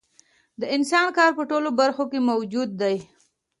د انسان کار په ټولو برخو کې موجود دی